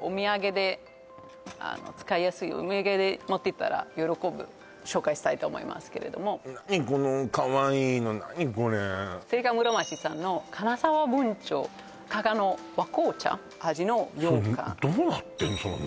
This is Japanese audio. お土産で使いやすいお土産で持っていったら喜ぶ紹介したいと思いますけれども何このかわいいの何これ清香室町さんの金澤文鳥加賀の和紅茶味の羊羹どうなってんの？